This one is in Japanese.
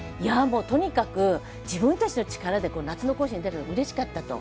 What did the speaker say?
もうとにかく自分たちの力で夏の甲子園出るのうれしかったと。